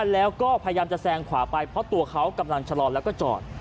แล้วก็พยายามจะแซงขวาไปเพราะตัวเขากำลังชะลอแล้วก็จอด